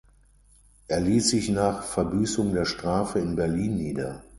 Er ließ sich nach Verbüßung der Strafe in Berlin nieder.